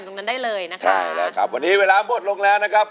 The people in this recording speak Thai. วันนี้เวลาบดลงแล้วนะครับ